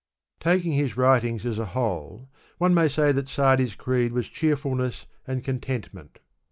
Taking his writings as a whole, one may say that SaMi^s creed was cheeHulness and contentment.